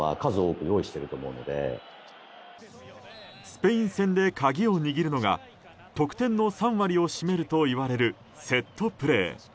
スペイン戦で鍵を握るのが得点の３割を占めるといわれるセットプレー。